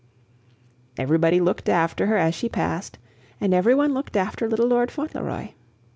Everybody looked after her as she passed, and every one looked after little Lord Fauntleroy.